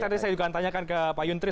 nanti saya juga akan tanyakan ke pak yuntri